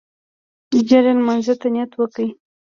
ژر يې لمانځه ته نيت وکړ.